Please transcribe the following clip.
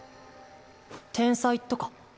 天災とか？